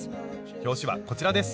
表紙はこちらです。